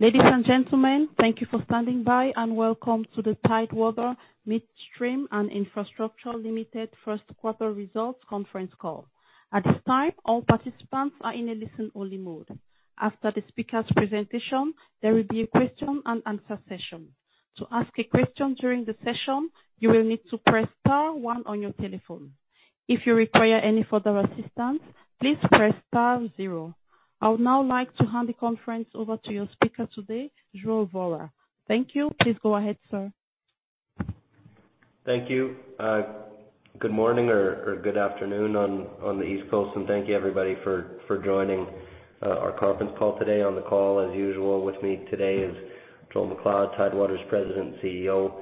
Ladies and gentlemen, thank you for standing by, and welcome to the Tidewater Midstream and Infrastructure Ltd. first quarter results conference call. At this time, all participants are in a listen-only mode. After the speaker's presentation, there will be a question and answer session. To ask a question during the session, you will need to press star one on your telephone. If you require any further assistance, please press star zero. I would now like to hand the conference over to your speaker today, Joel Vohra. Thank you. Please go ahead, sir. Thank you. Good morning or good afternoon on the East Coast. Thank you everybody for joining our conference call today. On the call, as usual, with me today is Joel MacLeod, Tidewater's President and CEO.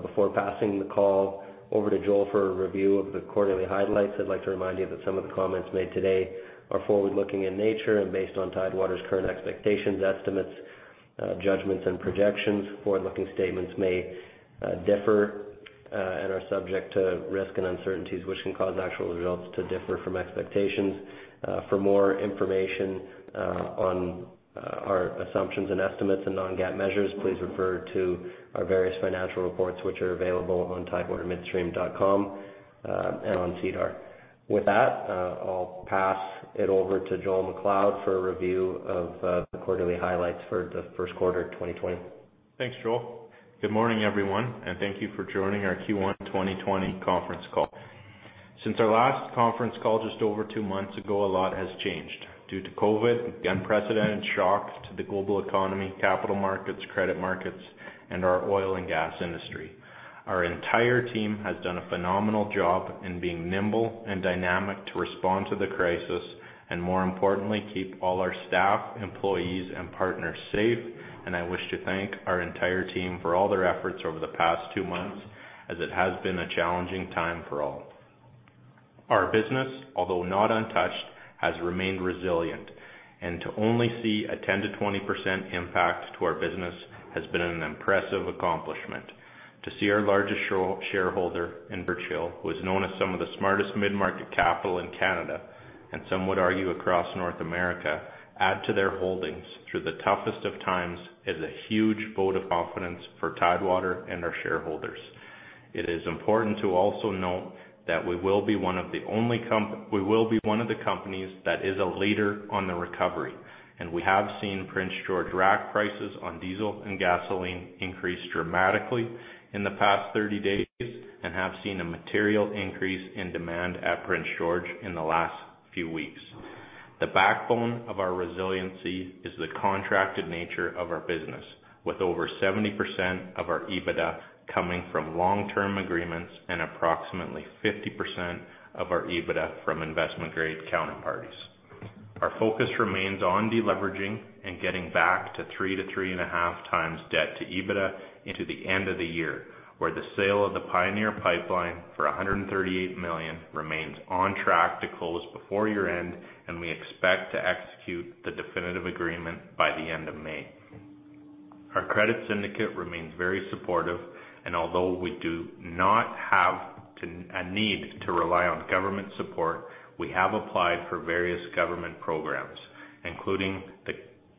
Before passing the call over to Joel for a review of the quarterly highlights, I'd like to remind you that some of the comments made today are forward-looking in nature and based on Tidewater's current expectations, estimates, judgments, and projections. Forward-looking statements may differ and are subject to risk and uncertainties, which can cause actual results to differ from expectations. For more information on our assumptions and estimates and non-GAAP measures, please refer to our various financial reports, which are available on tidewatermidstream.com and on SEDAR. With that, I'll pass it over to Joel MacLeod for a review of the quarterly highlights for the first quarter of 2020. Thanks, Joel. Good morning, everyone. Thank you for joining our Q1 2020 conference call. Since our last conference call just over two months ago, a lot has changed due to COVID, the unprecedented shock to the global economy, capital markets, credit markets, and our oil and gas industry. Our entire team has done a phenomenal job in being nimble and dynamic to respond to the crisis and, more importantly, keep all our staff, employees, and partners safe, and I wish to thank our entire team for all their efforts over the past two months, as it has been a challenging time for all. Our business, although not untouched, has remained resilient, and to only see a 10%-20% impact to our business has been an impressive accomplishment. To see our largest shareholder in Birch Hill, who is known as some of the smartest mid-market capital in Canada, and some would argue across North America, add to their holdings through the toughest of times is a huge vote of confidence for Tidewater and our shareholders. It is important to also note that we will be one of the companies that is a leader on the recovery, and we have seen Prince George rack prices on diesel and gasoline increase dramatically in the past 30 days and have seen a material increase in demand at Prince George in the last few weeks. The backbone of our resiliency is the contracted nature of our business, with over 70% of our EBITDA coming from long-term agreements and approximately 50% of our EBITDA from investment-grade counterparties. Our focus remains on deleveraging and getting back to three to three and a half times debt to EBITDA into the end of the year, where the sale of the Pioneer Pipeline for 138 million remains on track to close before year-end, and we expect to execute the definitive agreement by the end of May. Our credit syndicate remains very supportive, and although we do not have a need to rely on government support, we have applied for various government programs, including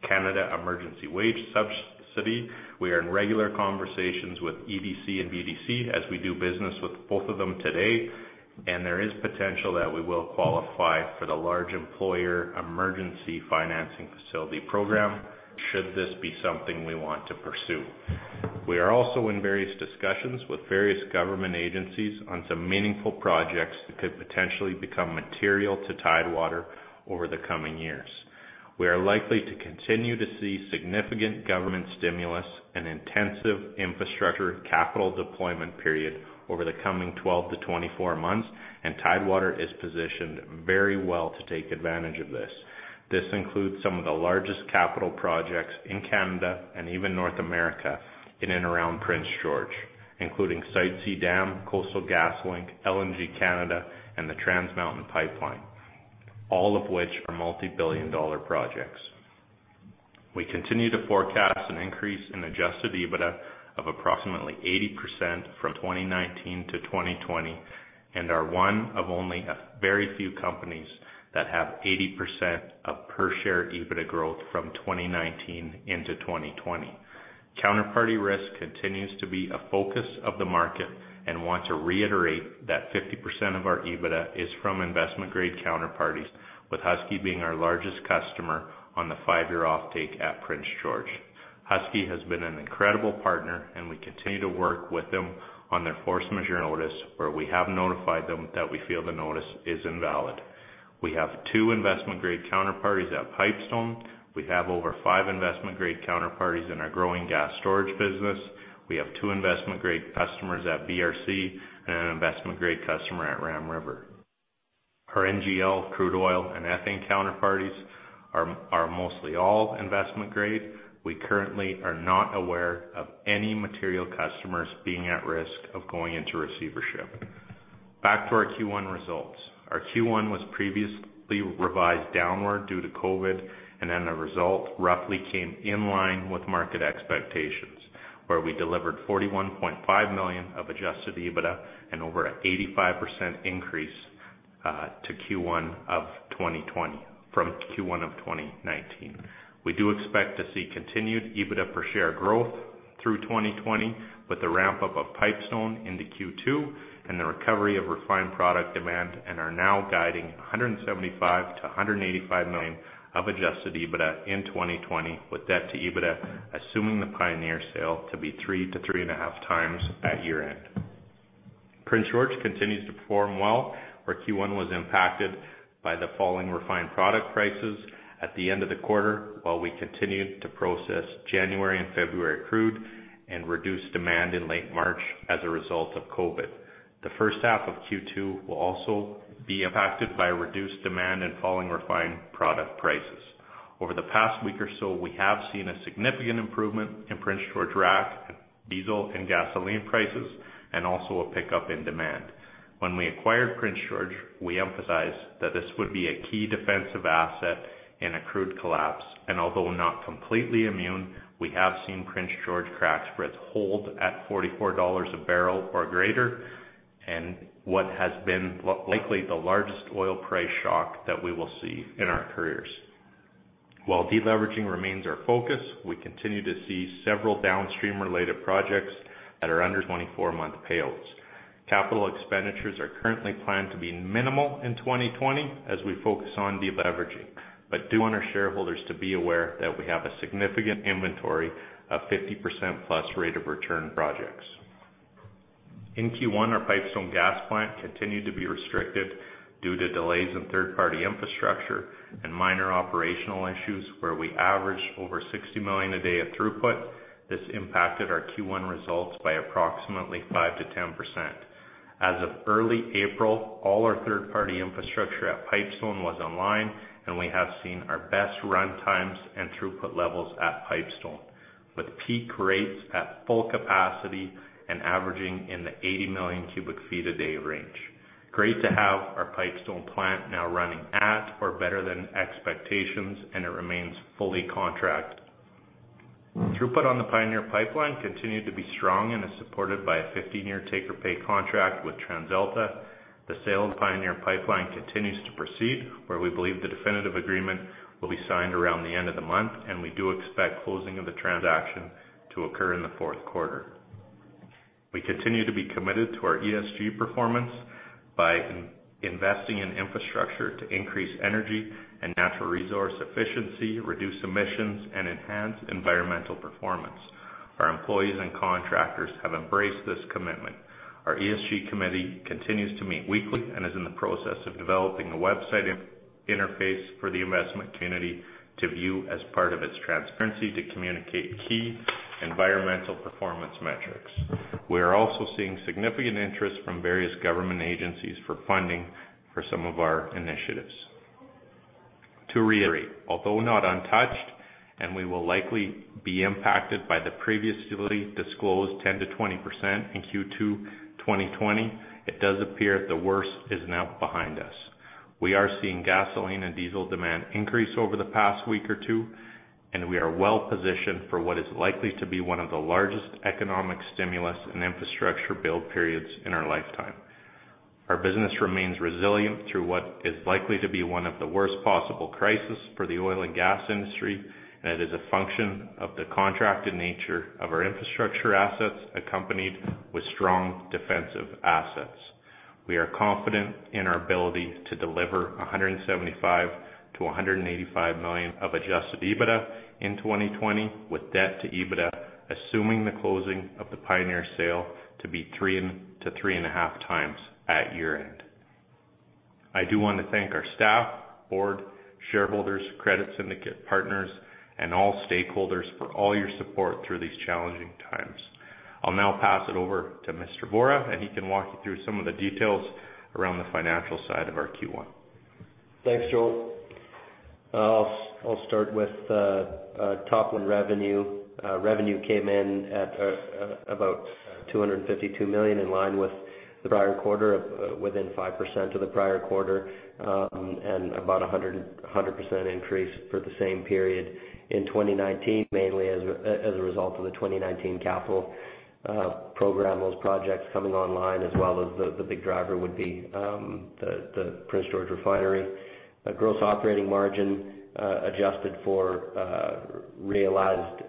the Canada Emergency Wage Subsidy. We are in regular conversations with EDC and BDC, as we do business with both of them today, and there is potential that we will qualify for the Large Employer Emergency Financing Facility program, should this be something we want to pursue. We are also in various discussions with various government agencies on some meaningful projects that could potentially become material to Tidewater over the coming years. We are likely to continue to see significant government stimulus and intensive infrastructure capital deployment period over the coming 12-24 months, and Tidewater is positioned very well to take advantage of this. This includes some of the largest capital projects in Canada and even North America in and around Prince George, including Site C Dam, Coastal GasLink, LNG Canada, and the Trans Mountain Pipeline, all of which are multi-billion CAD projects. We continue to forecast an increase in adjusted EBITDA of approximately 80% from 2019 to 2020 and are one of only a very few companies that have 80% of per-share EBITDA growth from 2019 into 2020. Counterparty risk continues to be a focus of the market and want to reiterate that 50% of our EBITDA is from investment-grade counterparties, with Husky being our largest customer on the five-year offtake at Prince George. Husky has been an incredible partner, and we continue to work with them on their force majeure notice where we have notified them that we feel the notice is invalid. We have two investment-grade counterparties at Pipestone. We have over five investment-grade counterparties in our growing gas storage business. We have two investment-grade customers at BRC and an investment-grade customer at Ram River. Our NGL crude oil and ethane counterparties are mostly all investment-grade. We currently are not aware of any material customers being at risk of going into receivership. Back to our Q1 results. Our Q1 was previously revised downward due to COVID, and then the result roughly came in line with market expectations, where we delivered 41.5 million of adjusted EBITDA and over an 85% increase to Q1 of 2020 from Q1 of 2019. We do expect to see continued EBITDA per share growth through 2020 with the ramp-up of Pipestone into Q2 and the recovery of refined product demand and are now guiding 175 million-185 million of adjusted EBITDA in 2020, with debt to EBITDA, assuming the Pioneer sale to be 3-3.5 times at year-end. Prince George continues to perform well, where Q1 was impacted by the falling refined product prices at the end of the quarter while we continued to process January and February crude and reduce demand in late March as a result of COVID. The first half of Q2 will also be impacted by reduced demand and falling refined product prices. Over the past week or so, we have seen a significant improvement in Prince George rack diesel and gasoline prices, and also a pickup in demand. When we acquired Prince George, we emphasized that this would be a key defensive asset in a crude collapse, and although not completely immune, we have seen Prince George crack spreads hold at 44 dollars a barrel or greater in what has been likely the largest oil price shock that we will see in our careers. While de-leveraging remains our focus, we continue to see several downstream-related projects that are under 24-month payouts. Capital expenditures are currently planned to be minimal in 2020 as we focus on de-leveraging, but do want our shareholders to be aware that we have a significant inventory of 50%-plus rate of return projects. In Q1, our Pipestone Gas Plant continued to be restricted due to delays in third-party infrastructure and minor operational issues where we averaged over 60 million a day of throughput. This impacted our Q1 results by approximately 5%-10%. As of early April, all our third-party infrastructure at Pipestone was online, and we have seen our best runtimes and throughput levels at Pipestone, with peak rates at full capacity and averaging in the 80 million cubic feet a day range. Great to have our Pipestone Plant now running at or better than expectations, and it remains fully contracted. Throughput on the Pioneer Pipeline continued to be strong and is supported by a 15-year take-or-pay contract with TransAlta. The sale of Pioneer Pipeline continues to proceed, where we believe the definitive agreement will be signed around the end of the month. We do expect closing of the transaction to occur in the fourth quarter. We continue to be committed to our ESG performance by investing in infrastructure to increase energy and natural resource efficiency, reduce emissions, and enhance environmental performance. Our employees and contractors have embraced this commitment. Our ESG committee continues to meet weekly and is in the process of developing a website interface for the investment community to view as part of its transparency to communicate key environmental performance metrics. We are also seeing significant interest from various government agencies for funding for some of our initiatives. To reiterate, although not untouched, and we will likely be impacted by the previously disclosed 10%-20% in Q2 2020, it does appear the worst is now behind us. We are seeing gasoline and diesel demand increase over the past week or two, and we are well-positioned for what is likely to be one of the largest economic stimulus and infrastructure build periods in our lifetime. Our business remains resilient through what is likely to be one of the worst possible crisis for the oil and gas industry, and it is a function of the contracted nature of our infrastructure assets accompanied with strong defensive assets. We are confident in our ability to deliver 175 million-185 million of adjusted EBITDA in 2020, with debt to EBITDA, assuming the closing of the Pioneer sale, to be 3 to 3.5 times at year-end. I do want to thank our staff, board, shareholders, credit syndicate partners, and all stakeholders for all your support through these challenging times. I'll now pass it over to Mr. Vohra, and he can walk you through some of the details around the financial side of our Q1. Thanks, Joel. I'll start with the top-line revenue. Revenue came in at about 252 million, in line with the prior quarter, within 5% of the prior quarter, and about 100% increase for the same period in 2019, mainly as a result of the 2019 capital program. Those projects coming online as well as the big driver would be the Prince George Refinery. Gross operating margin, adjusted for realized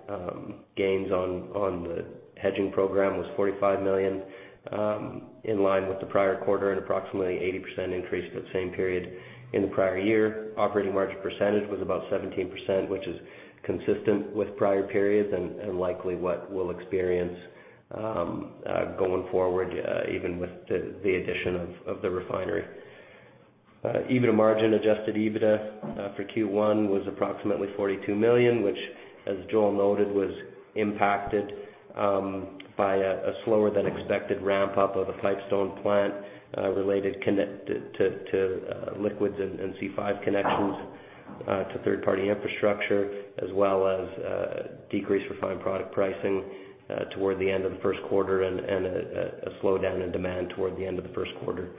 gains on the hedging program, was 45 million, in line with the prior quarter and approximately 80% increase for the same period in the prior year. Operating margin percentage was about 17%, which is consistent with prior periods and likely what we'll experience going forward even with the addition of the refinery. EBITDA margin, adjusted EBITDA for Q1 was approximately 42 million, which, as Joel noted, was impacted by a slower-than-expected ramp-up of the Pipestone Gas Plant related to liquids and C5 connections to third-party infrastructure, as well as decreased refined product pricing toward the end of the first quarter and a slowdown in demand toward the end of the first quarter.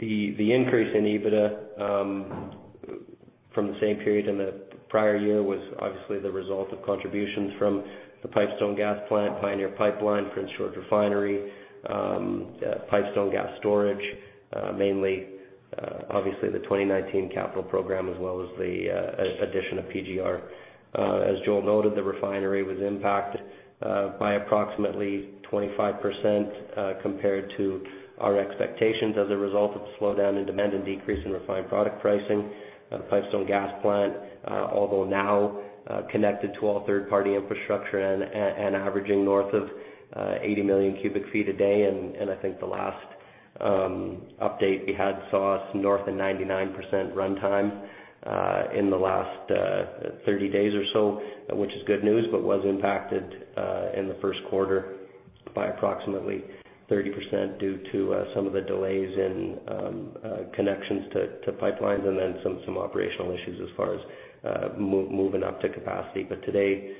The increase in EBITDA from the same period in the prior year was obviously the result of contributions from the Pipestone Gas Plant, Pioneer Pipeline, Prince George Refinery, Pipestone Gas Storage, mainly obviously the 2019 capital program, as well as the addition of PGR. As Joel noted, the refinery was impacted by approximately 25% compared to our expectations as a result of the slowdown in demand and decrease in refined product pricing. The Pipestone Gas Plant, although now connected to all third-party infrastructure and averaging north of 80 million cubic feet a day. I think the last update we had saw us north of 99% runtime in the last 30 days or so, which is good news, but was impacted in the first quarter by approximately 30% due to some of the delays in connections to pipelines, and then some operational issues as far as moving up to capacity. Today,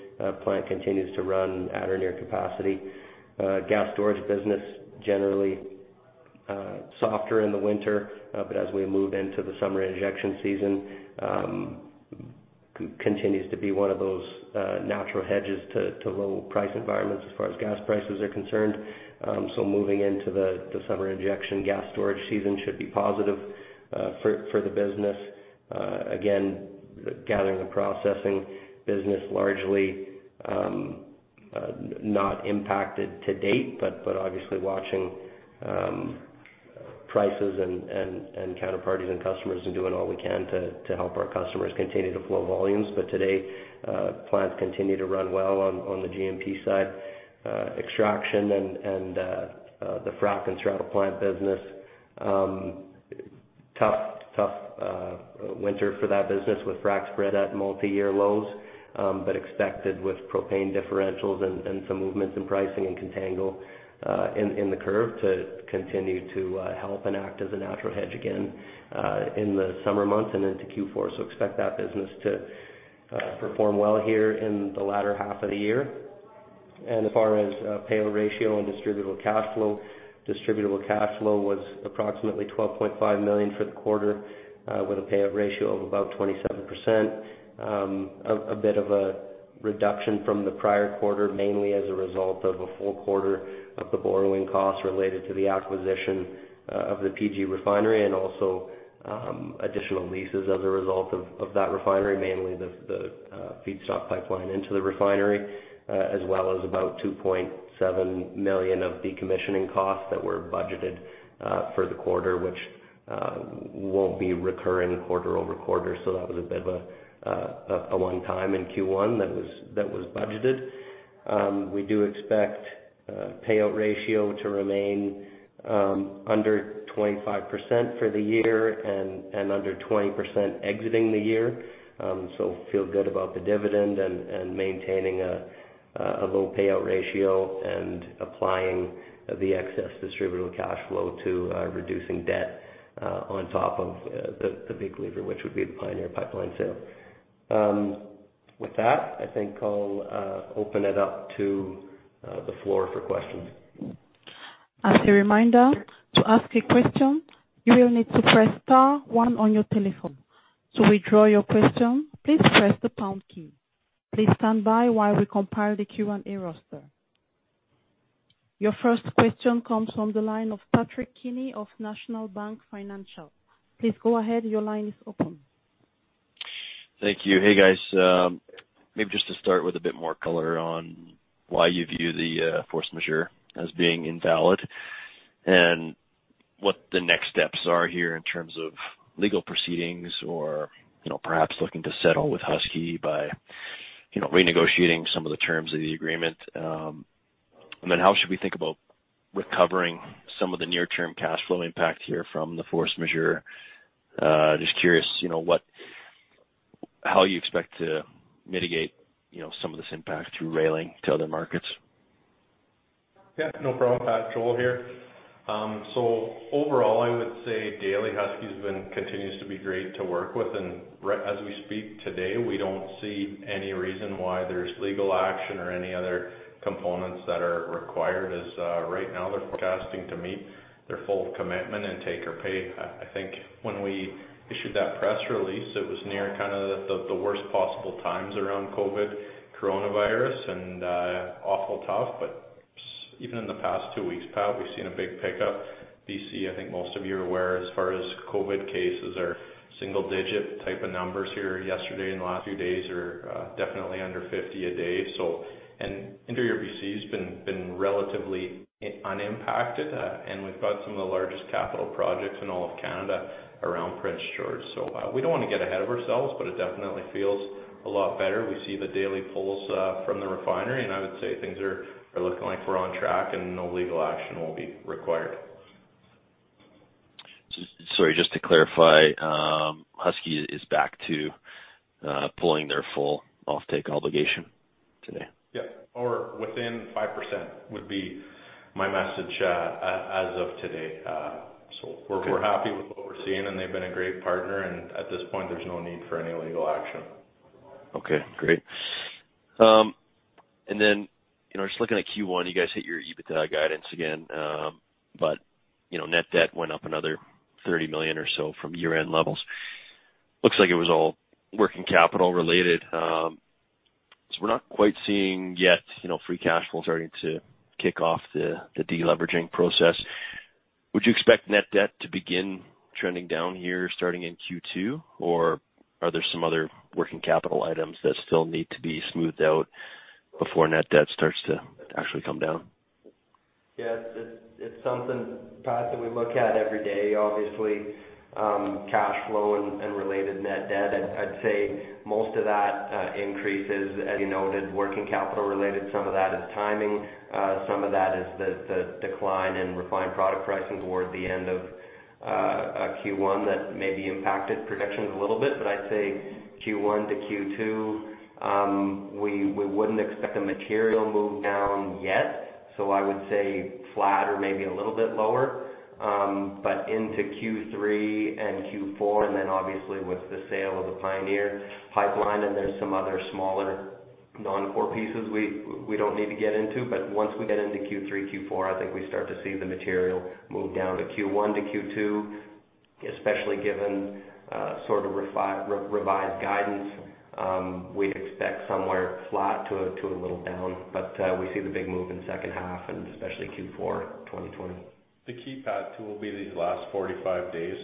plant continues to run at or near capacity. Gas storage business generally softer in the winter, but as we move into the summer injection season, continues to be one of those natural hedges to low price environments as far as gas prices are concerned. Moving into the summer injection gas storage season should be positive for the business. Again, the Gathering and Processing business largely not impacted to date, obviously watching prices and counterparties and customers and doing all we can to help our customers continue to flow volumes. Today, plants continue to run well on the G&P side. Extraction and the frac and straddle plant business. Tough winter for that business with frac spreads at multi-year lows, expected with propane differentials and some movements in pricing and contango in the curve to continue to help and act as a natural hedge again in the summer months and into Q4. Expect that business to perform well here in the latter half of the year. As far as payout ratio and distributable cash flow, distributable cash flow was approximately 12.5 million for the quarter with a payout ratio of about 27%. A bit of a reduction from the prior quarter, mainly as a result of a full quarter of the borrowing costs related to the acquisition of the Prince George Refinery and also additional leases as a result of that refinery, mainly the feedstock pipeline into the refinery, as well as about 2.7 million of decommissioning costs that were budgeted for the quarter, which won't be recurring quarter-over-quarter. That was a bit of a one-time in Q1 that was budgeted. We do expect payout ratio to remain under 25% for the year and under 20% exiting the year. Feel good about the dividend and maintaining a low payout ratio and applying the excess distributable cash flow to reducing debt on top of the big lever, which would be the Pioneer Pipeline sale. I think I'll open it up to the floor for questions. As a reminder, to ask a question, you will need to press star one on your telephone. To withdraw your question, please press the pound key. Please stand by while we compile the Q&A roster. Your first question comes from the line of Patrick Kenny of National Bank Financial. Please go ahead. Your line is open. Thank you. Hey, guys. Maybe just to start with a bit more color on why you view the force majeure as being invalid and what the next steps are here in terms of legal proceedings or perhaps looking to settle with Husky by renegotiating some of the terms of the agreement. How should we think about recovering some of the near-term cash flow impact here from the force majeure? Just curious how you expect to mitigate some of this impact through railing to other markets. Yeah, no problem, Pat. Joel here. Overall, I would say daily Husky continues to be great to work with. Right as we speak today, we don't see any reason why there's legal action or any other components that are required, as right now they're forecasting to meet their full commitment and take or pay. I think when we issued that press release, it was near kind of the worst possible times around COVID coronavirus and awful tough. Even in the past two weeks, Pat, we've seen a big pickup. BC, I think most of you are aware as far as COVID cases are single digit type of numbers here yesterday and the last few days are definitely under 50 a day. Interior BC has been relatively unimpacted. We've got some of the largest capital projects in all of Canada around Prince George. We don't want to get ahead of ourselves, but it definitely feels a lot better. We see the daily pulls from the refinery, and I would say things are looking like we're on track and no legal action will be required. Sorry, just to clarify, Husky is back to pulling their full off-take obligation today? Yeah. Within 5% would be my message as of today. We're happy with what we're seeing, and they've been a great partner, and at this point, there's no need for any legal action. Okay, great. Just looking at Q1, you guys hit your EBITDA guidance again. Net debt went up another 30 million or so from year-end levels. Looks like it was all working capital related. We're not quite seeing yet free cash flow starting to kick off the de-leveraging process. Would you expect net debt to begin trending down here starting in Q2, or are there some other working capital items that still need to be smoothed out before net debt starts to actually come down? Yeah, it's something, Pat, that we look at every day, obviously, cash flow and related net debt. I'd say most of that increase is, as you noted, working capital related. Some of that is timing. Some of that is the decline in refined product pricing toward the end of Q1 that maybe impacted projections a little bit. I'd say Q1 to Q2, we wouldn't expect a material move down yet. I would say flat or maybe a little bit lower. Into Q3 and Q4, obviously with the sale of the Pioneer Pipeline, there's some other smaller non-core pieces we don't need to get into. Once we get into Q3, Q4, I think we start to see the material move down to Q1, to Q2, especially given sort of revised guidance. We expect somewhere flat to a little down, but we see the big move in the second half and especially Q4 2020. The key, Pat, too, will be these last 45 days,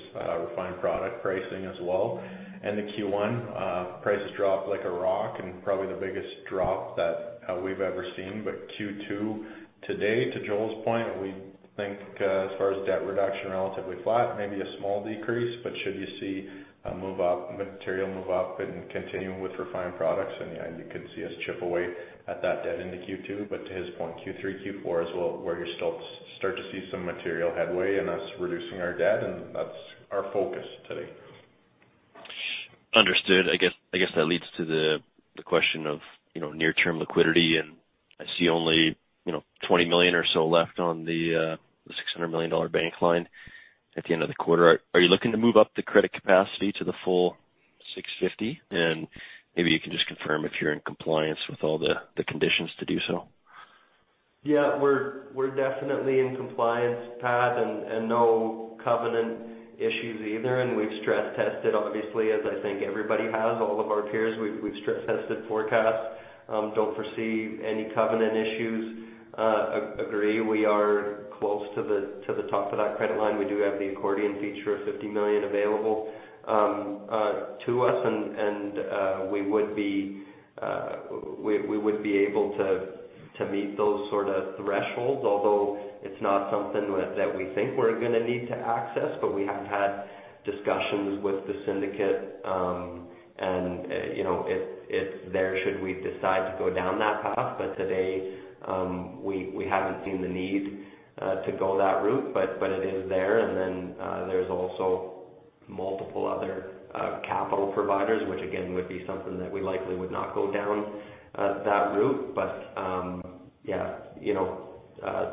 refined product pricing as well. The Q1 prices dropped like a rock and probably the biggest drop that we've ever seen. Q2 today, to Joel's point, we think as far as debt reduction, relatively flat, maybe a small decrease. Should you see a material move up and continuing with refined products and, yeah, you could see us chip away at that debt into Q2. To his point, Q3, Q4 as well, where you start to see some material headway in us reducing our debt, and that's our focus today. Understood. I guess that leads to the question of near-term liquidity. I see only 20 million or so left on the 600 million dollar bank line at the end of the quarter. Are you looking to move up the credit capacity to the full 650 million? Maybe you can just confirm if you're in compliance with all the conditions to do so. We're definitely in compliance, Pat, and no covenant issues either, and we've stress tested, obviously, as I think everybody has, all of our peers. We've stress tested forecasts. Don't foresee any covenant issues. Agree, we are close to the top of that credit line. We do have the accordion feature of 50 million available to us. We would be able to meet those sort of thresholds, although it's not something that we think we're going to need to access. We have had discussions with the syndicate, and it's there should we decide to go down that path. Today, we haven't seen the need to go that route, but it is there. There's also multiple other capital providers, which again, would be something that we likely would not go down that route. Yeah,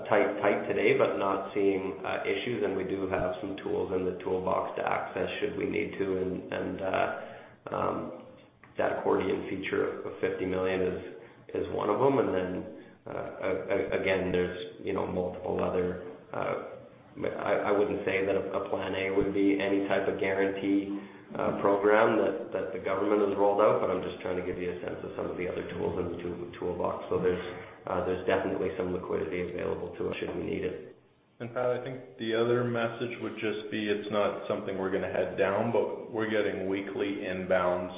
tight today, but not seeing issues, and we do have some tools in the toolbox to access should we need to, and that accordion feature of 50 million is one of them. Then again, there's multiple other. I wouldn't say that a plan A would be any type of guarantee program that the government has rolled out, but I'm just trying to give you a sense of some of the other tools in the toolbox. There's definitely some liquidity available to us should we need it. Pat, I think the other message would just be, it's not something we're going to head down, but we're getting weekly inbounds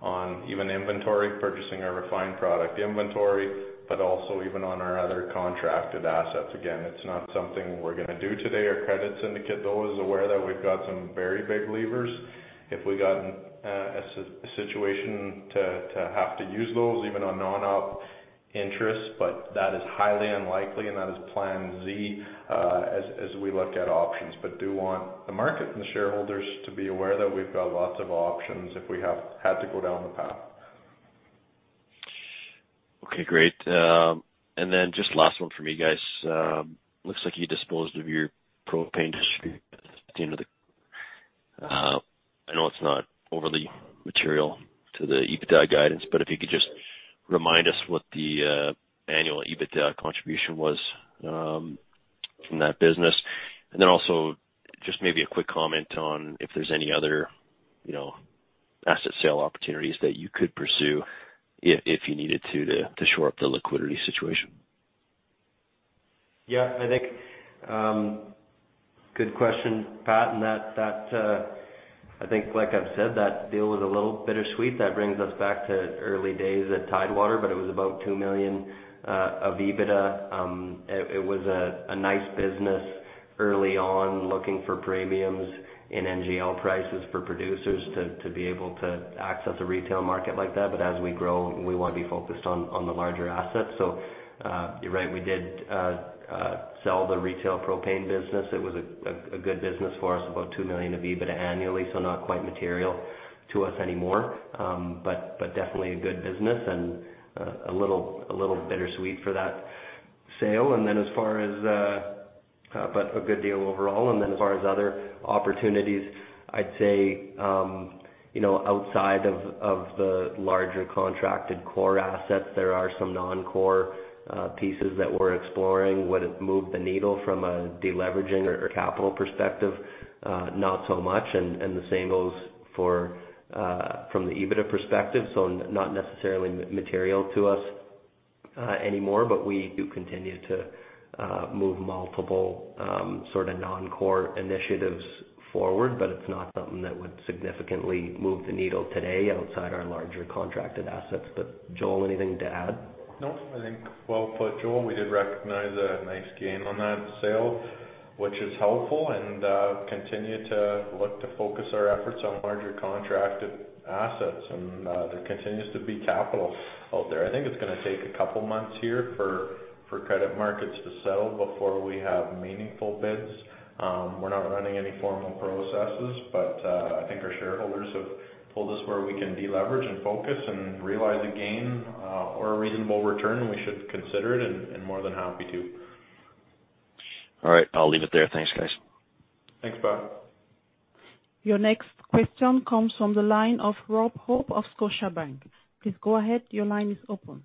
on even inventory, purchasing our refined product inventory, but also even on our other contracted assets. Again, it's not something we're going to do today. Our credit syndicate, though, is aware that we've got some very big levers if we got in a situation to have to use those, even on non-op interest. That is highly unlikely and that is plan Z as we look at options. Do want the market and the shareholders to be aware that we've got lots of options if we had to go down the path. Okay, great. Just last one from me, guys. Looks like you disposed of your propane distribution at the end of the. I know it's not overly material to the EBITDA guidance, but if you could just remind us what the annual EBITDA contribution was from that business. Also just maybe a quick comment on if there's any other asset sale opportunities that you could pursue if you needed to shore up the liquidity situation. Yeah, I think, good question, Pat, that I think, like I've said, that deal was a little bittersweet. That brings us back to early days at Tidewater, it was about 2 million of EBITDA. It was a nice business early on, looking for premiums in NGL prices for producers to be able to access a retail market like that. As we grow, we want to be focused on the larger assets. You're right, we did sell the retail propane business. It was a good business for us, about 2 million of EBITDA annually. Not quite material to us anymore. Definitely a good business and a little bittersweet for that sale. A good deal overall. Then as far as other opportunities, I'd say outside of the larger contracted core assets, there are some non-core pieces that we're exploring. Would it move the needle from a deleveraging or capital perspective? Not so much. The same goes from the EBITDA perspective, not necessarily material to us anymore. We do continue to move multiple sort of non-core initiatives forward, but it's not something that would significantly move the needle today outside our larger contracted assets. Joel, anything to add? No, I think well put, Joel. We did recognize a nice gain on that sale, which is helpful, and continue to look to focus our efforts on larger contracted assets. There continues to be capital out there. I think it's going to take a couple of months here for credit markets to settle before we have meaningful bids. We're not running any formal processes, but I think our shareholders have told us where we can deleverage and focus and realize a gain or a reasonable return, we should consider it and more than happy to. All right. I'll leave it there. Thanks, guys. Thanks, Bob. Your next question comes from the line of Rob Hope of Scotiabank. Please go ahead, your line is open.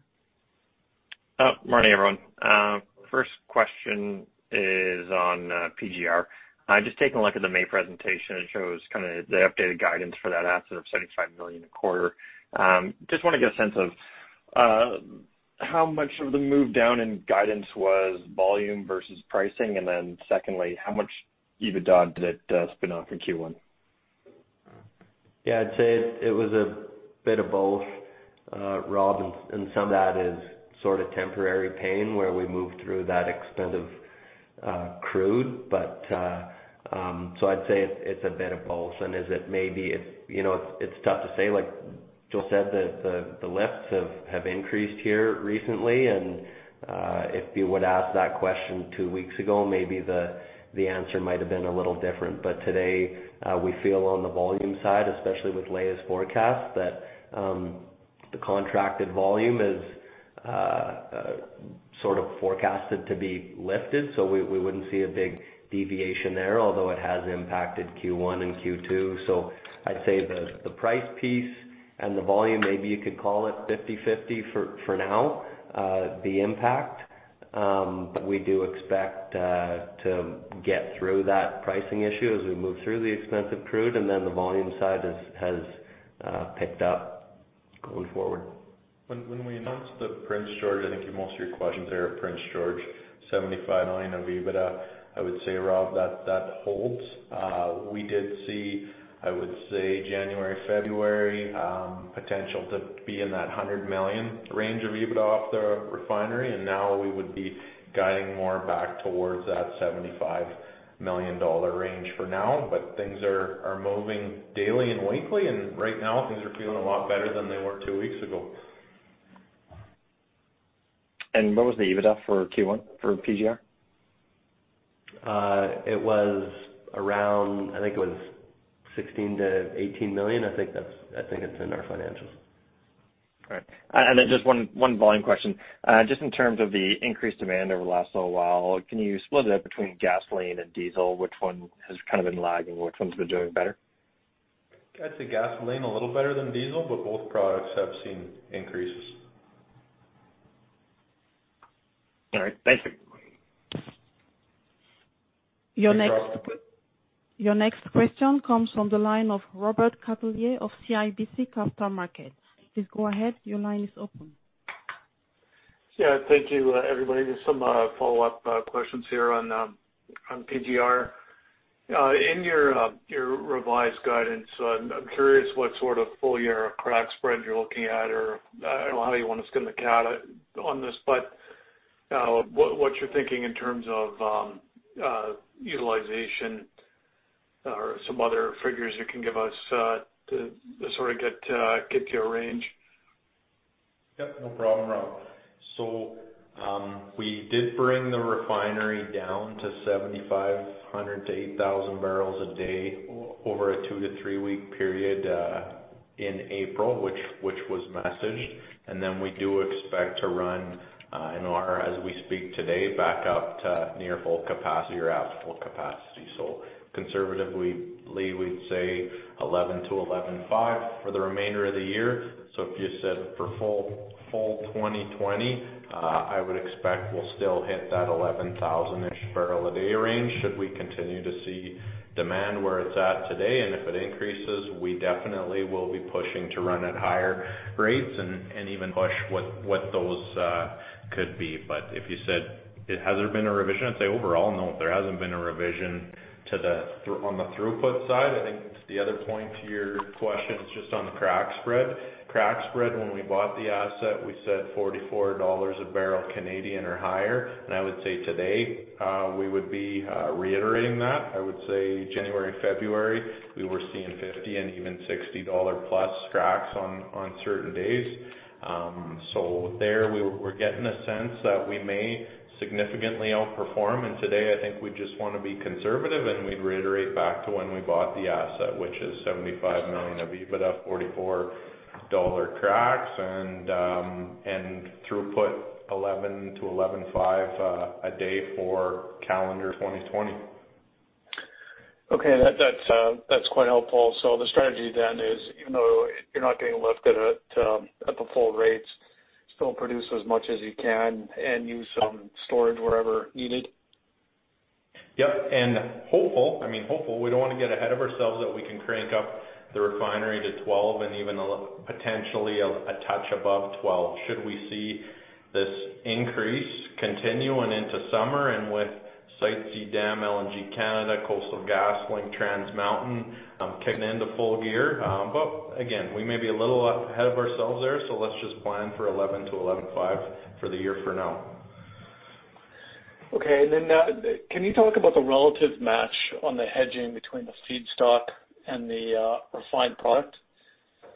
Morning, everyone. First question is on PGR. Just taking a look at the May presentation, it shows the updated guidance for that asset of 75 million a quarter. Just want to get a sense of how much of the move down in guidance was volume versus pricing, and then secondly, how much EBITDA did it spin off in Q1? Yeah, I'd say it was a bit of both, Rob. Some of that is sort of temporary pain where we moved through that expensive crude. I'd say it's a bit of both. It's tough to say, like Joel said, the lifts have increased here recently. If you would ask that question two weeks ago, maybe the answer might've been a little different. Today, we feel on the volume side, especially with latest forecast, that the contracted volume is sort of forecasted to be lifted. We wouldn't see a big deviation there, although it has impacted Q1 and Q2. I'd say the price piece and the volume, maybe you could call it 50/50 for now, the impact. We do expect to get through that pricing issue as we move through the expensive crude. The volume side has picked up going forward. When we announced the Prince George, I think most of your questions are at Prince George, 75 million of EBITDA. I would say, Rob, that holds. We did see, I would say January, February, potential to be in that 100 million range of EBITDA off the refinery, now we would be guiding more back towards that 75 million dollar range for now. Things are moving daily and weekly, and right now things are feeling a lot better than they were two weeks ago. What was the EBITDA for Q1 for PGR? It was around, I think it was 16 million-18 million. I think it's in our financials. All right. Then just one volume question. Just in terms of the increased demand over the last little while, can you split it up between gasoline and diesel? Which one has kind of been lagging? Which one's been doing better? I'd say gasoline a little better than diesel, but both products have seen increases. All right. Thanks. Your next question. Thanks, Rob. Your next question comes from the line of Robert Catellier of CIBC Capital Markets. Please go ahead, your line is open. Thank you everybody. Just some follow-up questions here on PGR. In your revised guidance, I'm curious what sort of full-year crack spread you're looking at, or I don't know how you want to skin the cat on this, but what you're thinking in terms of utilization or some other figures you can give us to sort of get to a range. Yep, no problem, Rob. We did bring the refinery down to 7,500-8,000 barrels a day over a two to three-week period in April, which was messaged. We do expect to run, as we speak today, back up to near full capacity or at full capacity. Conservatively, we'd say 11-11.5 for the remainder of the year. If you said for full 2020, I would expect we'll still hit that 11,000-ish barrel a day range should we continue to see demand where it's at today. If it increases, we definitely will be pushing to run at higher rates and even push what those could be. If you said, has there been a revision? I'd say overall, no, there hasn't been a revision on the throughput side. I think the other point to your question is just on the crack spread. Crack spread, when we bought the asset, we said 44 dollars a barrel or higher. I would say today, we would be reiterating that. I would say January, February, we were seeing 50 and even 60-plus dollar cracks on certain days. There we're getting a sense that we may significantly outperform. Today, I think we'd just want to be conservative, and we'd reiterate back to when we bought the asset, which is 75 million of EBITDA at 44 dollar cracks and throughput 11 to 11.5 a day for calendar 2020. Okay. That's quite helpful. The strategy is, even though you're not getting lifted at the full rates, still produce as much as you can and use some storage wherever needed? Yep. Hopefully, we don't want to get ahead of ourselves, that we can crank up the refinery to 12 and even potentially a touch above 12 should we see this increase continuing into summer and with Site C Dam, LNG Canada, Coastal GasLink, Trans Mountain kicking into full gear. Again, we may be a little ahead of ourselves there, so let's just plan for 11 to 11.5 for the year for now. Okay. Can you talk about the relative match on the hedging between the feedstock and the refined product?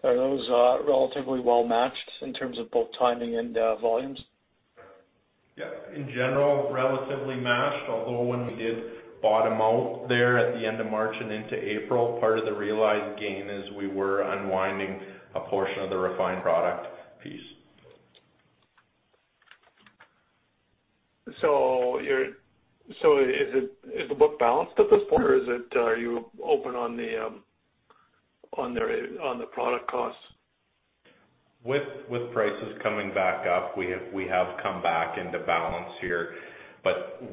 Are those relatively well-matched in terms of both timing and volumes? Yeah. In general, relatively matched, although when we did bottom out there at the end of March and into April, part of the realized gain is we were unwinding a portion of the refined product piece. Is the book balanced at this point, or are you open on the product costs? With prices coming back up, we have come back into balance here.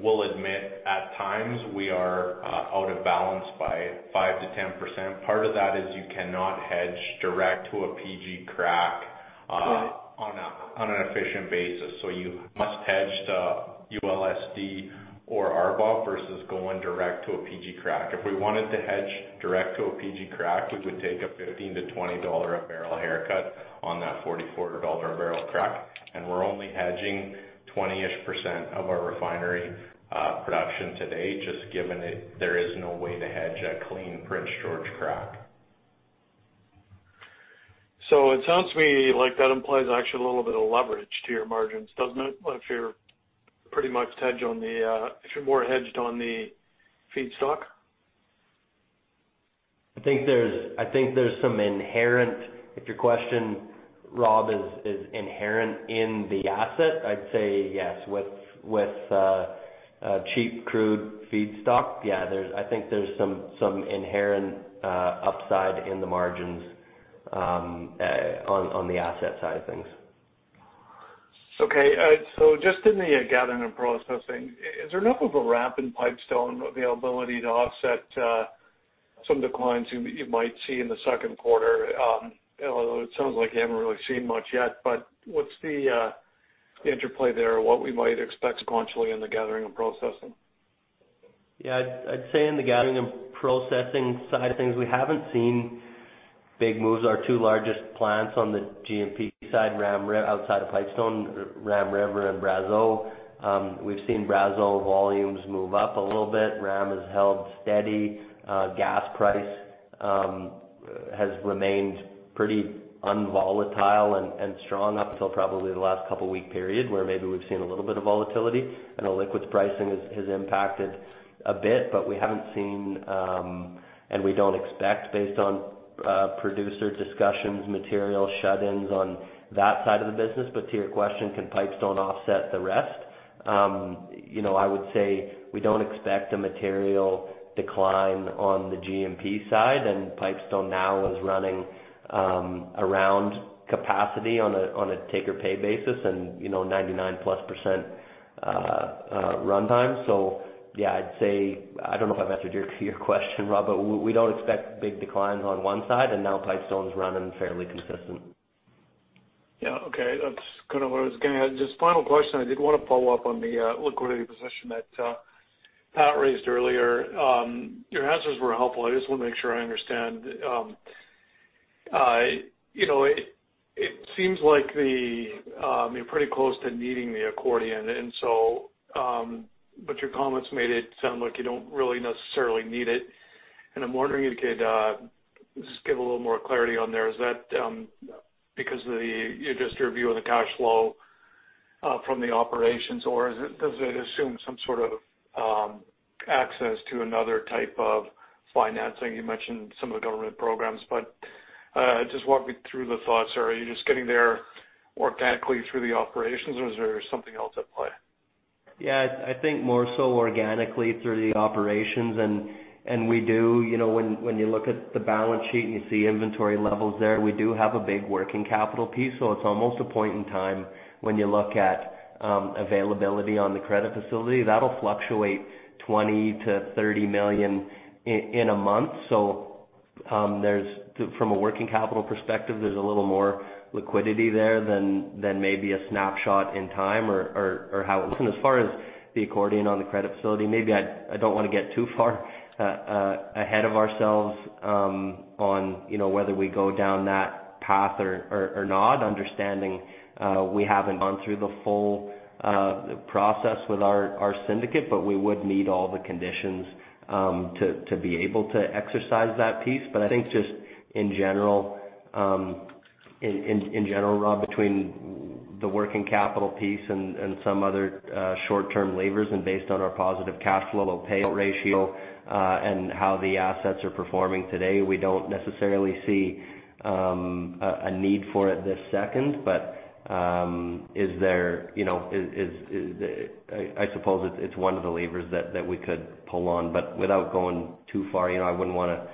We'll admit, at times, we are out of balance by 5%-10%. Part of that is you cannot hedge direct to a PG crack- Right on an efficient basis. You must hedge the ULSD or RBOB versus going direct to a PG crack. If we wanted to hedge direct to a PG crack, we would take a 15-20 dollar a barrel haircut on that 44 dollar a barrel crack. We're only hedging 20-ish % of our refinery production today, just given there is no way to hedge a clean Prince George crack. It sounds to me like that implies actually a little bit of leverage to your margins, doesn't it? If you're more hedged on the feedstock? I think there's some inherent, if your question, Rob, is inherent in the asset, I'd say yes. With cheap crude feedstock, yeah, I think there's some inherent upside in the margins on the asset side of things. Okay. Just in the Gathering and Processing, is there enough of a ramp in Pipestone availability to offset some declines you might see in the second quarter? Although it sounds like you haven't really seen much yet, what's the interplay there, or what we might expect sequentially in the Gathering and Processing? Yeah. I'd say on the gathering and processing side of things, we haven't seen big moves. Our two largest plants on the G&P side, outside of Pipestone, Ram River and Brazeau, we've seen Brazeau volumes move up a little bit. Ram has held steady. Gas price has remained pretty unvolatile and strong up until probably the last couple of week period, where maybe we've seen a little bit of volatility, and the liquids pricing has impacted a bit. We haven't seen, and we don't expect based on producer discussions, material shut-ins on that side of the business. To your question, can Pipestone offset the rest? I would say we don't expect a material decline on the G&P side, and Pipestone now is running around capacity on a take-or-pay basis and 99-plus % runtime. Yeah, I'd say, I don't know if I've answered your question, Rob, but we don't expect big declines on one side, and now Pipestone's running fairly consistent. Okay. That's kind of where I was going. Just final question, I did want to follow up on the liquidity position that Pat raised earlier. Your answers were helpful. I just want to make sure I understand. It seems like you're pretty close to needing the accordion. Your comments made it sound like you don't really necessarily need it. I'm wondering if you could just give a little more clarity on there. Is that because of just your view of the cash flow from the operations, or does it assume some sort of access to another type of financing? You mentioned some of the government programs. Just walk me through the thoughts. Are you just getting there organically through the operations, or is there something else at play? Yeah. I think more so organically through the operations. We do, when you look at the balance sheet and you see inventory levels there, we do have a big working capital piece, so it's almost a point in time when you look at availability on the credit facility. That'll fluctuate 20 million-30 million in a month. From a working capital perspective, there's a little more liquidity there than maybe a snapshot in time or how it was. As far as the accordion on the credit facility, maybe I don't want to get too far ahead of ourselves on whether we go down that path or not, understanding we haven't gone through the full process with our syndicate. We would need all the conditions to be able to exercise that piece. I think just in general, Rob, between-The working capital piece and some other short-term levers, and based on our positive cash flow payout ratio, and how the assets are performing today, we don't necessarily see a need for it this second. I suppose it's one of the levers that we could pull on, but without going too far, I wouldn't want to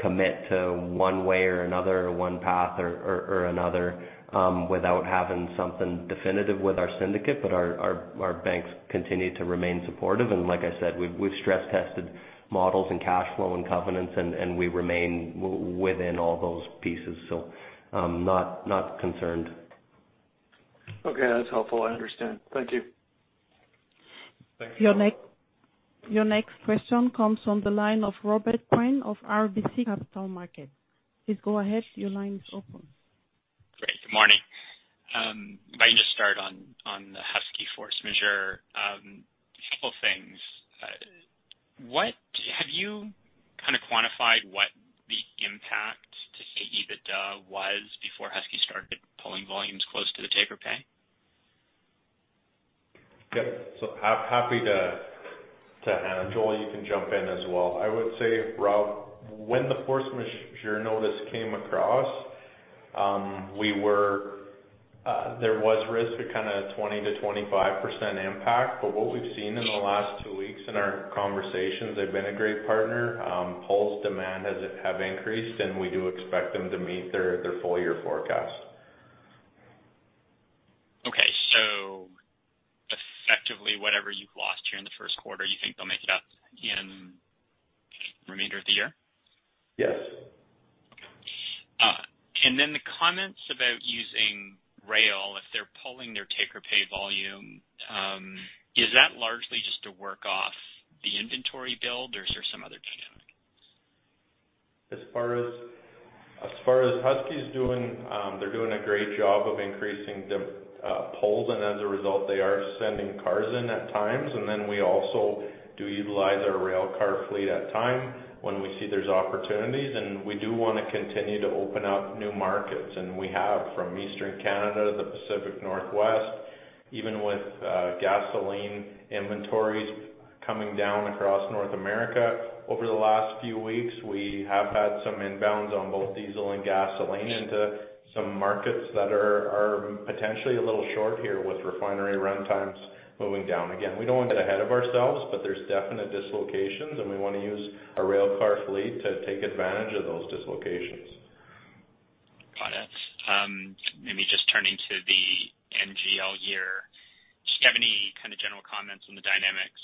commit to one way or another, or one path or another, without having something definitive with our syndicate. Our banks continue to remain supportive. Like I said, we've stress-tested models and cash flow and covenants, and we remain within all those pieces, so I'm not concerned. Okay. That's helpful. I understand. Thank you. Thank you. Your next question comes from the line of Robert Kwan of RBC Capital Markets. Please go ahead. Your line is open. Great. Good morning. If I can just start on the Husky force majeure. A couple things. Have you quantified what the impact to EBITDA was before Husky started pulling volumes close to the take or pay? Yep. Happy to handle. Joel, you can jump in as well. I would say, Rob, when the force majeure notice came across, there was risk of 20%-25% impact. What we've seen in the last two weeks in our conversations, they've been a great partner. Pulls, demand have increased, we do expect them to meet their full year forecast. Okay, effectively, whatever you've lost here in the first quarter, you think they'll make it up in the remainder of the year? Yes. Okay. Then the comments about using rail if they're pulling their take or pay volume, is that largely just to work off the inventory build or is there some other dynamic? As far as Husky's doing, they're doing a great job of increasing the pulls and as a result, they are sending cars in at times. We also do utilize our rail car fleet at time when we see there's opportunities. We do want to continue to open up new markets, and we have from Eastern Canada to the Pacific Northwest. Even with gasoline inventories coming down across North America over the last few weeks, we have had some inbounds on both diesel and gasoline into some markets that are potentially a little short here with refinery run times moving down again. We don't want to get ahead of ourselves, there's definite dislocations and we want to use our rail car fleet to take advantage of those dislocations. Got it. Just turning to the NGL year, do you have any general comments on the dynamics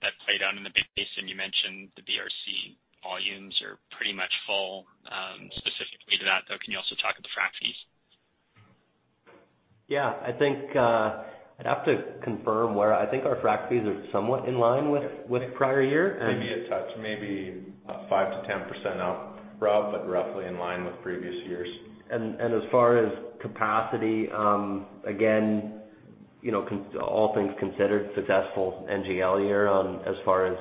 that played out in the basin? You mentioned the BRC volumes are pretty much full. Specifically to that, though, can you also talk of the frac fees? Yeah. I'd have to confirm. I think our frac fees are somewhat in line with prior year. Maybe a touch. Maybe 5%-10% up, Rob, but roughly in line with previous years. As far as capacity, again, all things considered, successful NGL year as far as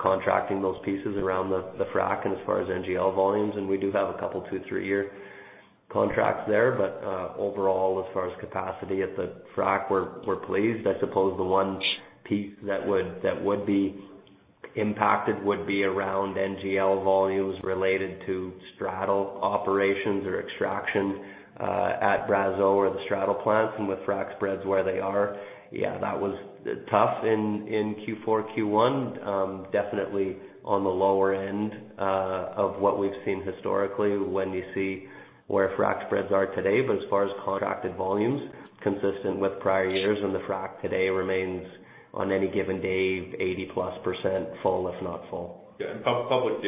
contracting those pieces around the frac and as far as NGL volumes. We do have a couple two, three-year contracts there. Overall, as far as capacity at the frac, we're pleased. I suppose the one piece that would be impacted would be around NGL volumes related to straddle operations or extraction at Brazeau or the straddle plants. With frac spreads where they are, yeah, that was tough in Q4, Q1. Definitely on the lower end of what we've seen historically when you see where frac spreads are today. As far as contracted volumes, consistent with prior years and the frac today remains on any given day, 80%+ full, if not full. Yeah. Public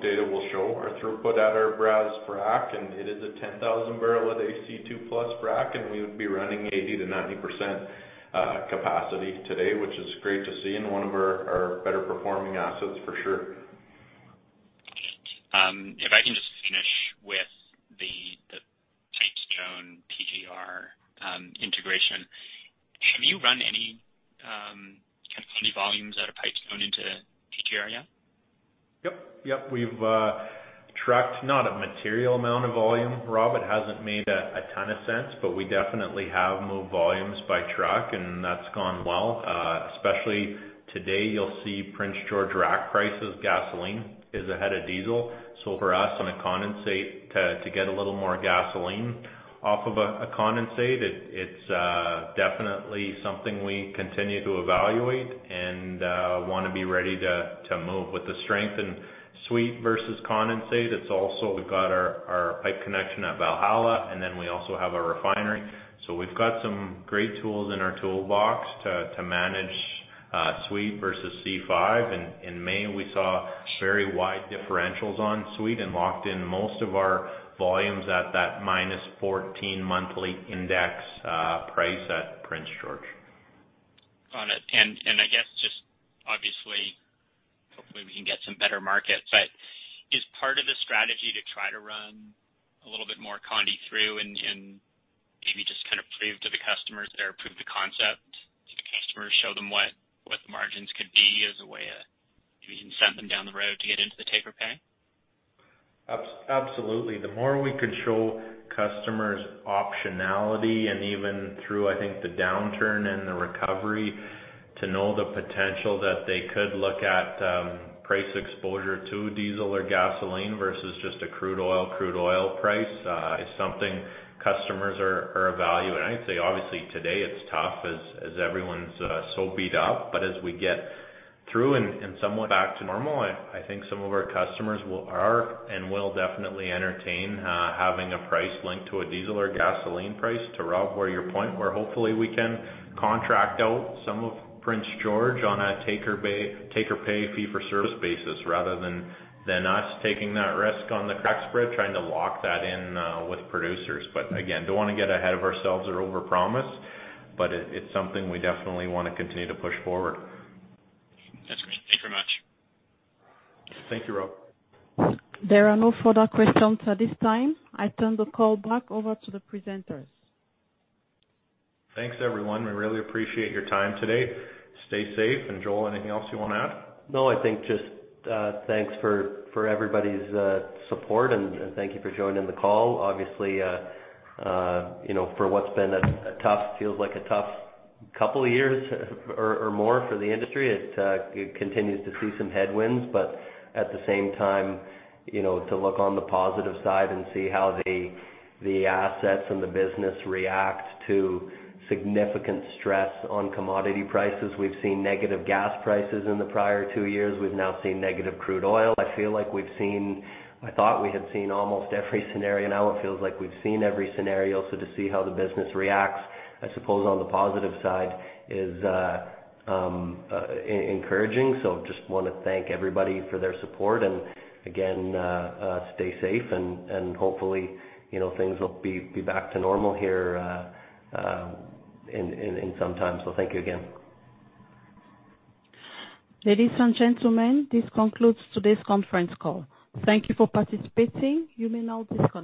data will show our throughput at our Brazeau frac and it is a 10,000 barrel a day C2+ frac and we would be running 80%-90% capacity today, which is great to see in one of our better performing assets for sure. Got it. If I can just finish with the Pipestone PGR integration. Have you run any condensate volumes out of Pipestone into PGR yet? Yep. We've tracked not a material amount of volume, Rob. It hasn't made a ton of sense, but we definitely have moved volumes by truck and that's gone well. Especially today, you'll see Prince George rack prices, gasoline is ahead of diesel. For us on a condensate to get a little more gasoline off of a condensate, it's definitely something we continue to evaluate and want to be ready to move. With the strength in sweet versus condensate, it's also we've got our pipe connection at Valhalla, and then we also have our refinery. We've got some great tools in our toolbox to manage sweet versus C5. In May, we saw very wide differentials on sweet and locked in most of our volumes at that -14 monthly index price at Prince George. Got it. I guess just obviously, hopefully we can get some better markets, but is part of the strategy to try to run a little bit more condensate through and maybe just prove to the customers there or show them what the margins could be as a way of, you can send them down the road to get into the take-or-pay? Absolutely. The more we could show customers optionality, and even through, I think, the downturn and the recovery, to know the potential that they could look at price exposure to diesel or gasoline versus just a crude oil price, is something customers are of value. I'd say, obviously, today it's tough as everyone's so beat up. As we get through and somewhat back to normal, I think some of our customers are and will definitely entertain having a price linked to a diesel or gasoline price. To Rob, where your point where hopefully we can contract out some of Prince George on a take-or-pay fee for service basis rather than us taking that risk on the crack spread, trying to lock that in with producers. Again, don't want to get ahead of ourselves or overpromise, but it's something we definitely want to continue to push forward. That's great. Thanks very much. Thank you, Rob. There are no further questions at this time. I turn the call back over to the presenters. Thanks, everyone. We really appreciate your time today. Stay safe. Joel, anything else you want to add? I think just thanks for everybody's support. Thank you for joining the call. Obviously, for what's been feels like a tough couple of years or more for the industry, it continues to see some headwinds. At the same time, to look on the positive side and see how the assets and the business react to significant stress on commodity prices. We've seen negative gas prices in the prior two years. We've now seen negative crude oil. I thought we had seen almost every scenario. Now it feels like we've seen every scenario. To see how the business reacts, I suppose, on the positive side is encouraging. Just want to thank everybody for their support. Again, stay safe and hopefully, things will be back to normal here in some time. Thank you again. Ladies and gentlemen, this concludes today's conference call. Thank you for participating. You may now disconnect.